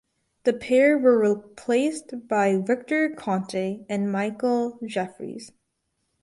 The pair were replaced by Victor Conte and Michael Jeffries.